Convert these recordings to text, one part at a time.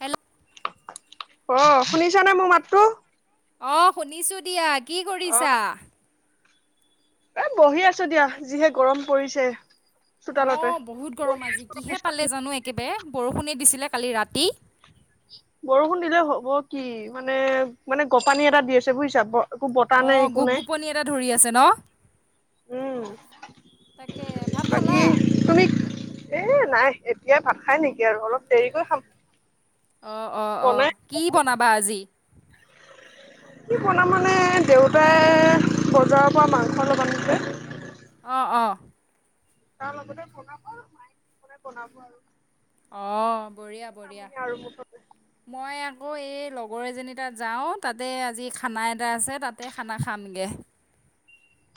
হল অ' শুনিছ নে মোৰ মাতটো? অ' শুনিছো দিয়া কি অ', কৰিছা? এ বহি আছো দিয়া। যিহে গৰম পৰিছে। অ চোতালতে। বহুত গৰম বহি আজি আছো কিহে পিছত পালে জানো একেবাৰে বৰষুণেই দিছিলে কালি ৰাতি বৰষুণ দিলে হ'ব কি মানে মানে গপানী এটা দি আছে বুজিছা একো বতা অঁ নাই। একো গোপ নাই গোপনি এটা ধৰি আছে ন উম তাকে ভাত বাকী খালা? তুমি এ নাই এতিয়া ভা খাই নেকি আৰু অলপ দেৰিকৈ খাম। অ' অ' বনাই অ' কি বনাবা আজি? কি বনাম মানে দেউতাই বজাৰৰ পৰা মাংসটোবনে আহ অ' তাৰ লগতে বনাব আৰু মায়াই বনাব আৰু অ' বঢ়িয়া বঢ়িয়া। খামহে আৰু মুঠতে। মই আকৌ এই লগৰ এজনী তাত যাওঁ। তাতে আজি খানা এটা আছে তাতে খানা খামগৈ।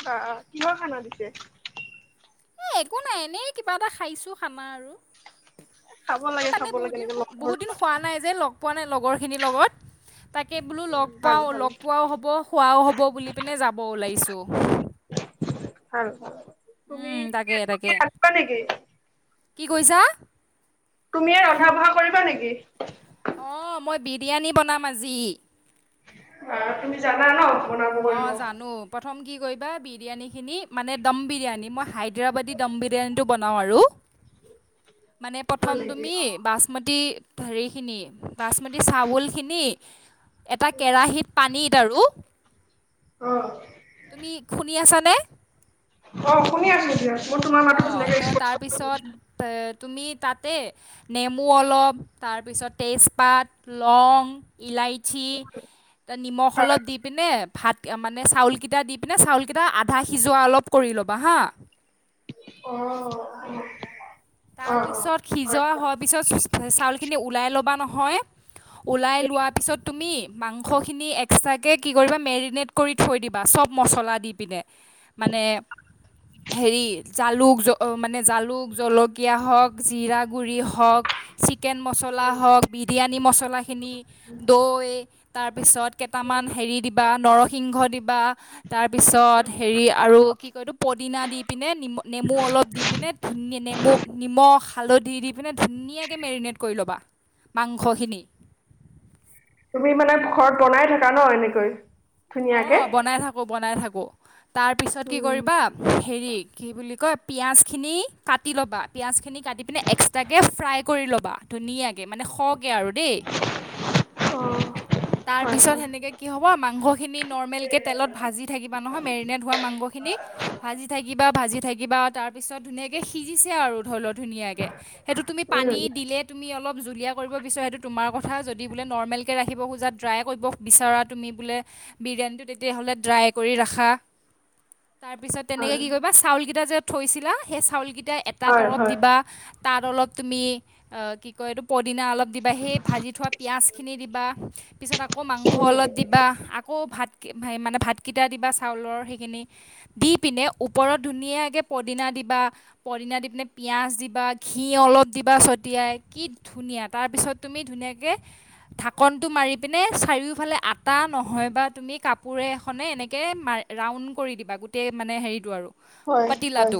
বা কিহ খানা দিছে। এ একো নাই। এনেই কিবা এটা খাইছো খানা আৰু খাব এ লাগে মানে খাব বহুত লাগে দিন এনেকে লগ বহুত ধৰিব দিন হোৱা নাই যে ল পোৱা নাই লগৰ খিনিৰ লগত তাকে বোলো উম, লগ ভাল পোৱাও ভাল লগ পোৱাও হ'ব খোৱাও হ'ব বুলি পিনে যাব ওলাইছোঁ। হ তুমি উম, তাকে তাকে বা [inaudible] নেকি কি কৈছা? তুমিয়ে ৰন্ধা-বঢ়া কৰিবা নেকি? অ' মই বিৰিয়ানী বনাম আজি। অ' তুমি জানা ন বনাব কৰিব। অ' জানো প্ৰথম কি কৰিবা বিৰিয়ানী। খিনি মানে দম বিৰিয়ানী মই হাইদৰাবাদী দম বিৰিয়ানীটো বনাও আৰু মানে হয় প্ৰথম নেকি তুমি অ' বাচমতি হৰি খিনি বাচমতি চাউল খিনি। এটা কেৰাহত পানীত আৰু অ' তুমি শুনি আছা। ম অ' শুনি আছো এতিয়া। অ' ত' তাৰপিছত এ তুমি তাতে নেমু, অলপ তাৰপিছত তেজপাত, লং, ইলাহী। ঠি তাত নিমখ হয় অলপ দি পিনে ভাত মানে চাউলকেইটা দি পিনে চাউলকেইটা আধা সিজোৱা অলপ কৰি ল'বা হা অ' অ' তাৰ অ' পিছত হয় সিজোৱা হয় হোৱাৰ পিছত চাউলখিনি ওলাই ল'বা নহয় ওলাই লোৱা পিছত তুমি। মাংসখিনি এক্সট্ৰাকে কি কৰিবা মেৰিনেট কৰি থৈ দিবা চব মছলা দি পিনে মানে হেৰি জালুক, জলকীয়া, জালুক জলকীয়া হওক, জীৰা গুৰি হওক, চিকেন মছলা উম হওক বিৰিয়ানী মছলাখিনি দৈ তাৰপিছত কেইটামান উম হেৰি দিবা নৰসিংহ দিবা তাৰপিছত হেৰি আৰু কি কয় এইটো পদিনা দি পিনে নেমু অলপ দি পিনে ধুন নেমু নিমখ হালধি দি পিনে ধুনীয়াকৈ মেৰিনেট কৰি ল'বা মাংসখিনি। তুমি মানে ঘৰত বনাই থাকা ন এনেকৈ অ ধুনীয়াকে বনাই থাকো বনাই থাকো। তাৰপিছত কি উম কৰিবা হেৰি কি বুলি কয় পিঁয়াজখিনি কাটি ল'বা পিঁয়াজখিনি কাটি পিনে এক্সট্ৰাকৈ ফ্ৰাই কৰি ল'বা ধুনীয়াকৈ মানে শক আৰু দেই অ' হয় তাৰপিছত হয় হেনেকে কি হব মাংস খিনি নৰ্মেল কে তেলত ভাজি থাকিবা নহয় মেৰিনেট হোৱা মাংস খিনি ভাজি থাকি কিবা ভাজি থাকিবা তাৰ পিছত ধুনীয়াকে সিজিছে আৰু ধৰি লও ধুনীয়াকে সেইটো তুমি পানী উম দিলে তুমি অলপ জুলীয়া কৰিব বিচাৰা সেইটো তোমাৰ কথা যদি বোলে নৰ্মেলকৈ ৰাখিব খোজা ড্ৰাই কৰিব বিচাৰা তুমি বোলে বিৰিয়ানীটো তেতিয়াহ'লে ড্ৰাই কৰি ৰাখা তাৰপিছত হয় তেনেকৈ কি কৰিবা চাউলকেইটা যে থৈছিলা সেই চাউলকেইটা এটা হয় তৰপ হয় দিবা। তাত অলপ তুমি কি কয় এইটো। দিনা অলপ দিবা সেই ভাজি থোৱা পিঁয়াজখিনি দিবা পিছত আকৌ মাংস অলপ দিবা আকৌ ভাত মানে ভাতকেইটা দিবা চাউলৰ সেইখিনি দি পিনে ওপৰত ধুনীয়া কে পদিনা দিবা পদিনা দি পিনে পিয়াজ দিবা ঘি অলপ দিবা চটিয়াই কি ধু ধুনীয়া তাৰ পিছত তুমি ধুনীয়াকে ধাকনটো মাৰি পিনে চাৰিওফালে আতা নহয়। বা তুমি কাপোৰ এখনে এনেকৈ মা ৰাউণ্ড কৰি দিবা গোটেই মানে হেৰিটো আৰু। হয় হয় পাতিলাটো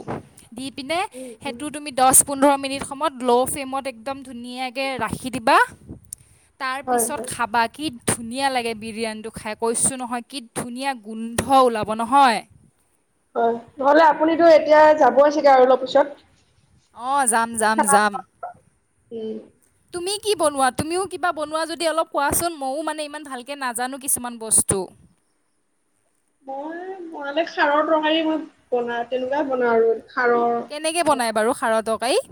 দি পিনে উম উম সেইটো তুমি দশ পোন্ধৰ মিনিট সময়ত ল' ফ্লেমত একদম ধুনীয়াকৈ ৰাখি দিবা। হয় তাৰপিছত হয় খাবা কি ধুনীয়া লাগে বিৰিয়ানীটো খাই। কৈছোঁ নহয় কি ধুনীয়া গোন্ধ ওলাব নহয়। হয় নহ'লে আপুনিতো এতিয়া যাবই চাগে আৰু অলপ পিছত অ যাম, যাম, যাম। উম তুমি কি বনোৱা তুমিও কিবা বনোৱা যদি অলপ কোৱাচোন ময়ো মানে ইমান ভালকৈ নাজানো কিছুমান বস্তু। মই বনালে খাৰৰ তৰকাৰি মই বনা তেনেকুৱাই বনাওঁ আৰু খাৰৰ কেনেকে বনায় বাৰু খাৰৰ তৰকাৰী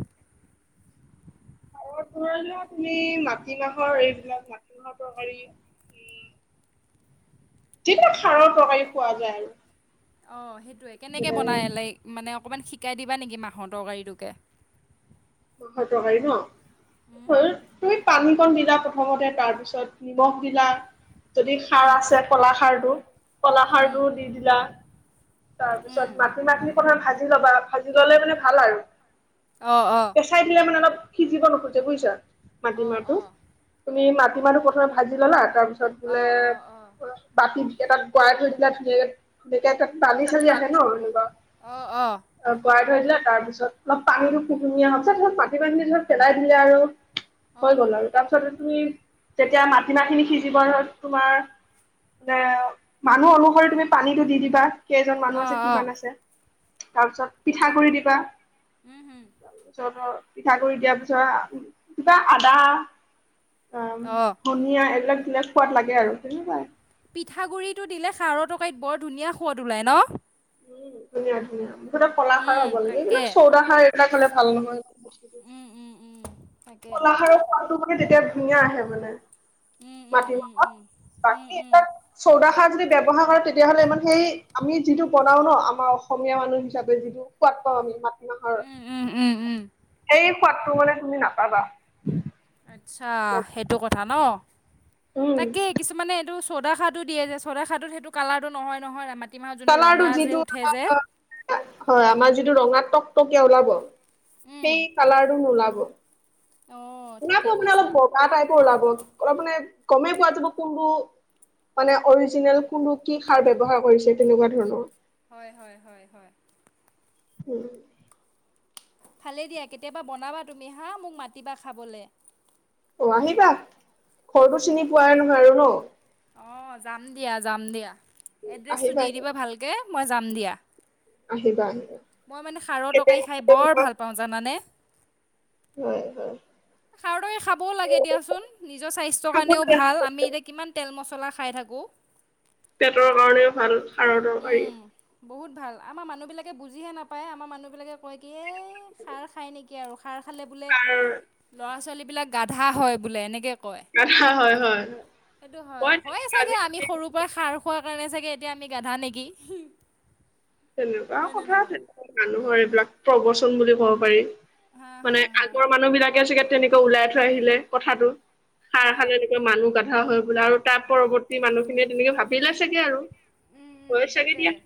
খাৰৰ তুমি মাটিমাহৰ এইবিলাক মাটিমাহৰ তৰকাৰী যিবিলাক খাৰৰ তৰকাৰি খোৱা যায় আৰু অ সেইটোৱে কেনেকে বনাই লাই মানে অকণমান শিকাই দিবা নেকি মাহঁৰ তৰকাৰীটোকে মাহৰ তৰকাৰী ন ফাৰ্ষ্ট তুমি পানীকণ দিলা প্ৰথমতে তাৰ পিছত নিমখ দিলা যদি খাৰ উম আছে কলাখাৰটো উম কলাখাৰটো দি দিলা তাৰপিছত উম মাটিমাহখিনি প্ৰথমে ভাজি ল'বা ভাজি ললে মানে ভাল আৰু অঁ অঁ কেঁচাই দিলে মানে অলপ সিজিব নোখোজে বুইছা মাটি অঁ মাহটো অঁ তুমি মাটিমাহটো প্ৰথমে ভাজি ল'লা তাৰপিছত বোলে অঁ অঁ বাতি তাত শুকুৱাই থৈ দিলা ধুনীয়াকে এয়া তাত বালি চালি আহে ন অঁ অঁ অঁ এনেকুৱা ব দিলে তাৰপিছত অলপ পানীটো কুহুমিয়া হৈছে তাৰছত মাটিমাহ খিনী পেলাই দিলা আৰু হৈ অঁ গ'ল আৰু তাৰপিছতে তুমি তেতিয়া মাটিমাহ খিনি সিজিব তোমাৰ মানে মানুহ অনুসৰি তুমি পানীটো দি দিবা। কেইজন মানুহ আছে অঁ অঁ কিমান আছে। তাৰ পিছত পিঠাগুৰি দিবা। উম হুম পিঠা কৰি দিয়াৰ পিছত কিবা আদা অ' অঁ ধুনীয়া এইবিলাক বিলাক খোৱাত লাগে আৰু পিঠাগুড়ৰিটো দিলে। খাৰৰ তৰকাৰিত বৰ ধুনীয়া সোৱাদ ওলায় ন। উম ধুনীয়া ধুনীয়া। কলা খাৰ উম হ'ব লাগে। এইবিলাক তাকে চৌদাখা এইবিলাক হলে ভাল নহয় বস্তু উম উম উম তাকে কলা খাৰত সোৱাদটো মানে তেতিয়া ধুনীয়া আহে মানে উম উম উম মাটিমাহত উম উম বাকী উম এ চৌদাখাৰ যদি ব্যৱহাৰ কৰে তেতিয়া হ'লে ইমান সেই আমি যিটো বনাও ন আমাৰ অসমীয়া মানুহ হিচাপে যিটো সোৱাদ পাওঁ। আমি মাত কিহৰ উম উম উম উম সোৱাদটো মানে তুমি নাপাবা। আচ্ছা সেইটো কথা ন উম তাকেই কিছুমানে এইটো চৌদা খাৰটো দিয়ে যে চ'দা খাৰটোত সেইটো কালাৰটো নহয় নহয় ৰামান কালাৰটো যিটো হয়। আমাৰ যিটো ৰঙাতক। কে ওলাব উম সেই কালাৰটো নোলাব। অঁ উলাব ঠিকে বোলে অলপ কৈছা বগা টাইপৰ ওলাব। অলপ মানে গমেই পোৱা যাব কোনটো। মানে অৰিজিনেল কোনটো কি সাৰ ব্যৱহাৰ কৰিছে তেনেকুৱা ধৰণৰ। হয় হয় হয় উম ভালে দিয়া কেতিয়াবা বনাবা তুমি হা মোক মাতিবা খাবলে। অ' আহিবা ঘৰটো চিনি পোৱাই নহয় আৰু ন। অ' যাম দিয়া যাম দিয়া এড্ৰেছটো আহিবা দি দিব। ভালকৈ মই যাম দিয়া। আহিবা আহি মই মানে সাৰৰ তৰকাৰী খাই বৰ ভাল পাওঁ জানানে। হয় হয়। খাৰটোকে খাবও লাগে দিয়াচোন। নিজৰ স্বাস্থ্যৰ খাব কাৰণেও লাগে ভাল আমি এতিয়া কিমান তেল, মছ- চলা খাই থাকোঁ। পেটৰ কাৰণেও ভাল খাৰৰ তৰকাৰী উম বহুত ভাল আমাৰ মানুহবিলাকে বুজিহে নাপায় আমাৰ মানুহবিলাকে কয় কি এই সাৰ খায় নেকি আৰু। সাৰ খালে বোলে সাৰ ল'ৰা ছোৱালীবিলাক গাধা হয় বোলে এনেকে হয় হয় হয় সেইটো হয় হয় তেনেকুৱা চাগে আমি আজিকালি সৰুৰ পৰা খাৰ খোৱা এনে চাগে এতিয়া আমি গাধা নেকি? তেনেকুৱা হয়নে কথা নহয় মানুহৰ এইবিলাক প্ৰবচন বুলি ক'ব পাৰি। হা হা মানে হা আগৰ মানুহ বিলাকে চাগে তেনেকৈ ওলাই থৈ আহিলে কথাটো। সাৰ অঁ খালে এনেকুৱা মানুহ গাধা হৈ বোলে আৰু তাৰ পৰৱৰ্তী মানুহখিনিয়ে তেনেকে ভাবিলে চাগে আৰু। উম উম হয় চাগে তাকে দিয়া।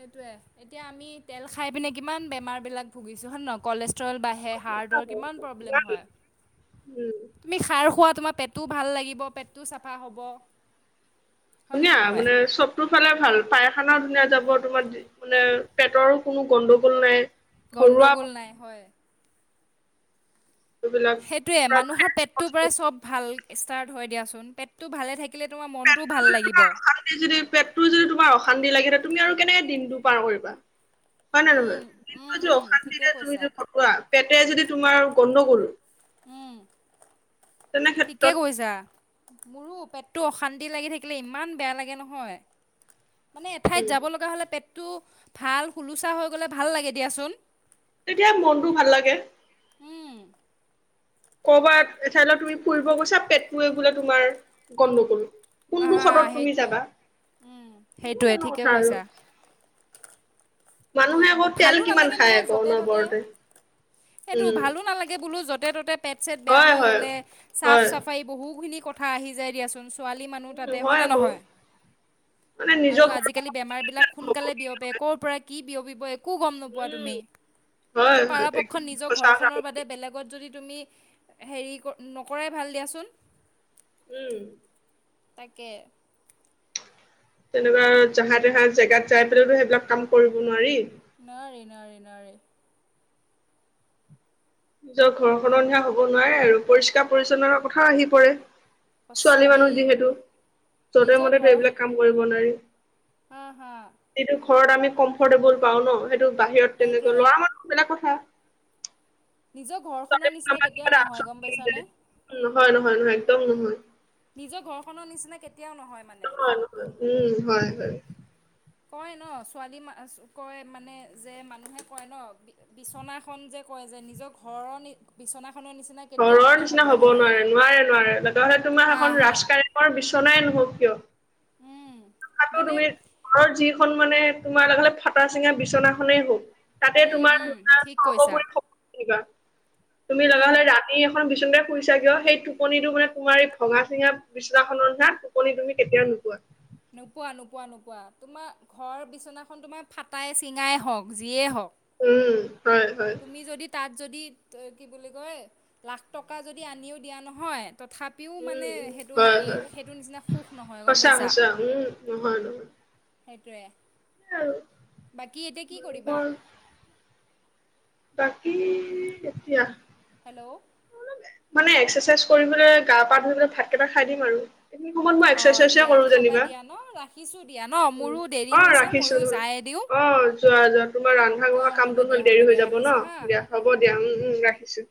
সেইটোয়ে এতিয়া আমি তেল খাই পিনে কিমান বেমাৰ বিলাক ভুগিছো হয় ন কলেজ ৰ্তল বাঢ়ে হাৰ্দৰ কিমান প্ৰব্লেম হয়। উম তুমি খাৰ খোৱা তোমাৰ পেট- টো ভাল লাগিব পেটটো চাফা হ'ব। হয়নে ধুনীয়া নহয় মানে সবটো ফালে ভাল পায়খানা ধুনীয়া যাব। তোমাৰ মানে পেটৰো কোনো গণ্ডগোল নাই। ঘৰুৱা গন্দগোল নাই হয়। এইবিলাক সেইটোৱে পুৰা মানুহৰ ফ্ৰেছ পেটটোৰ বস্তু। পৰা চব ভাল ষ্টাৰ্ট হয় দিয়া চোন। পেটটো ভালে থাক- পেটটো যদি তোমাৰ অশান্তি যদি পেটটো যদি তোমাৰ অশান্তি লাগি তুমি আৰু কেনে দিনটো পাৰ কৰিবা হয় নে উম, নহয় উম, দিনটো যদি উম, ঠিকে অশান্তিৰে তুমি কৈছা য কটুৱা পেটে যদি তোমাৰ গন্দগোল। উম ঠিকে ক্ষেত্ৰত কৈছা। মোৰো পেটটো অশান্তি লাগি থাকিলে ইমান বেয়া লাগে নহয়। মানে এঠাইত উম, যাব লগা হ'লে পেটটো ভাল হুলোচা হৈ গ'লে ভাল লাগে দিয়াচোন। তেতিয়া মনটো ভাল লাগে। উম, কবাত এঠাই তুমি ফুৰিব গৈছা। পেটৱে বোলে তোমাৰ গণ্ডগোল। আহ কোনটো হা সদত তুমি সেইটোৱে যাবা উম তেনেকুৱা সেইটোৱে ধৰণৰ ঠিকে কথা আৰু কৈছা। মানুহে আকৌ আৰু তেল ভালো কিমান নালাগে খায় নহয় আকৌ য'তে ত'তে অনবৰতে সেইটো উম ভালো নালাগে বোলো য'ত ত'তে ত'তে পেট চেট বেয়া হয় হৈ হয় গ'লে চাফ হয় চাফাই বহুখিনি কথা আহি যায় দিয়াচোন ছোৱালী মানুহ উম তাতে হয় হয়নে আকৌ নহয়? মানে আৰু নিজৰ আজিকালি বেমাৰ বিলাক ঘৰৰ সোনকালে বিয়পে ক'ৰ পৰা কি বিয়পিব একো একো গম নোপোৱা উম তুমি হয় ত' হয় পাৰা পক্ষত একদম নিজৰ সঁচা কথা ঘৰখনৰ কৈছে বাদে বেলেগত যদি তুমি হেৰি নকৰাই ভাল দিয়াচোন। উম তাকে তেনেকুৱা জাহা তহা জেগাত যাই পেলতো সেইবিলাক কাম কৰিব নোৱাৰি। নোৱাৰি নোৱাৰি নোৱাৰি। নিজৰ ঘৰখনৰ নিচিনা হ'ব নোৱাৰে আৰু পৰিষ্কাৰ পৰিচ্ছন্নতাৰ কথাও আহি পৰে। সঁচা ছোৱালী দেই মানুহ যিহেতু যধে মধেটো এইবিলাক কাম কৰিব নোৱাৰি। আহ হা যিটো ঘৰত আমি কমফৰ্টেবল পাও ন? সেইটো বাহিৰত সেইটোৱে তেনেকৈ ল'ৰা মানুহ বেলেগ কথা। নিজৰ ঘৰখনৰ নিচিনা কেতিয়াও নহয় গম পাইছানে? হয় নহয় নহয় একদম নহয়। নিজৰ ঘৰখনৰ নিচিনা কেতিয়াও নহয় মানে। উম হয় হয়। কয় ন ছোৱালী ম কয় মানে যে মানুহে কয় ন বিচনাখন যে কয় যে নিজৰ ঘৰৰ বিচনা ঘৰৰ নিচিনা হ'ব নোৱাৰে নোৱাৰে নোৱাৰে লগা হলে তোমাৰ হা সেখন হা। ৰাজকাৰেঙৰ বিচনাই নহওক কিয়, উম তাকো মানে তুমি ঘৰত যিখন মানে তোমাৰ লাগে ফটা চিঙা বিচনাখনেই হওক তাতে উম তোমাৰ উম ঠিক কৈছা [unintelligible] তুমি লগা উম হ'লে ৰা তুমি এখন বিচনা শুইছা কিয় সেই টোপনিটো মানে তোমাৰ এই ভঙা চিঙা বিচনাখনৰ নিচিনা টোপনি তুমি কেতিয়াও কেতিয়াও নোপোৱা নোপোৱা নোপোৱা নোপোৱা তোমাৰ ঘৰ বিচনাখন তোমাৰ ফাটাই চিঙাই হওঁক যিয়ে হওঁক উম হয় হয় তুমি যদি তাত যদি কি বুলি কয় লাখ টকা যদি আনিও দিয়া নহয় তথাপিও উম মানে উম, সেইটো হয় হেৰি হয় সেইটোৰ নিচিনা সুখ নহয় গম সঁচা পাইছা? সঁচা উম নহয় নহয় সেইটোৱে। সেই আৰু বাকী এতিয়া কি কৰিবা? মানুহৰ বাকী এতিয়া হেল্ল' মানে এক্সাৰচাইজ কৰি পিনে গা পা ধুই পিনে ভাতকেইটা খাই দিম আৰু। এইখিনি সময়ত মই অ এক্সাৰচাইজে দিয়া কৰো খাবা যেনিবা দিয়া ন ৰাখিছো দিয়া ন মোৰো দেৰি উম অ হৈছে ৰাখিছো ময়ো যায়দি নহ'লে অ যোৱা যোৱা তোমাৰ ৰন্ধা বঢ়া হ'ব কামটো দিয়া হ'ল হ'ব দেৰি হৈ দিয়া যাব। ন ৰাখিছোঁ হা দিয়া হ'ব দিয়া উম উম ৰাখিছো।